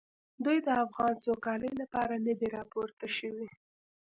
دوی د افغان سوکالۍ لپاره نه دي راپورته شوي.